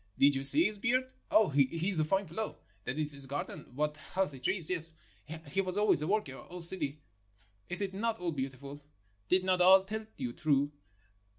Did you see his beard? Ah, he is a fine fellow. That is his garden ! What healthy trees ! Yes ; he was al ways a worker. O Sidi ! is it not all beautiful? Did not I tell you true?